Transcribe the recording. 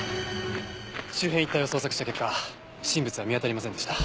周辺一帯を捜索した結果不審物は見当たりませんでした。